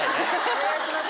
お願いします。